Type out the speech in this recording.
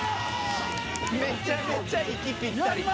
めちゃめちゃ息ぴったり。